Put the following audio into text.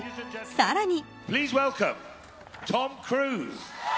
さらに。